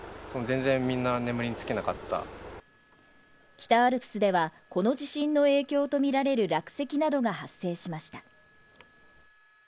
北アルプスでは、この地震の影響とみられる落石などが発生しました。